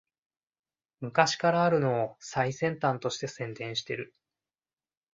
昔からあるのを最先端として宣伝してる